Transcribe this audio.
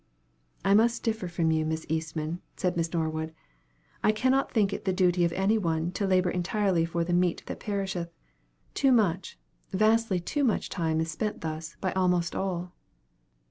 "I must differ from you, Miss Eastman," said Miss Norwood. "I cannot think it the duty of any one to labor entirely for the 'meat that perisheth.' Too much, vastly too much time is spent thus by almost all."